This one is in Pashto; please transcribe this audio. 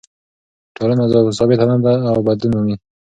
ټولنه ثابته نه ده او بدلون مومي.